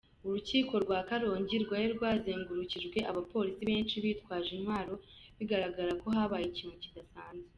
Urukiko rwa Karongi rwari rwazengurukijwe abapolisi benshi bitwaje intwaro, bigaragara ko habaye ikintu kidasanzwe.